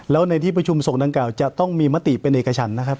แล้วในที่ประชุมส่งดังกล่าวจะต้องมีมติเป็นเอกชันนะครับ